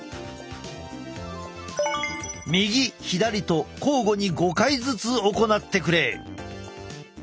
右左と交互に５回ずつ行ってくれ。